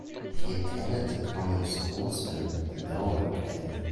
He attended the common schools and Andover Academy.